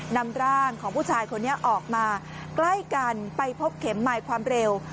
นำร่างของผู้ชายคนนี้ออกมาใกล้กันไปพบเข็มใหม่ความเร็ว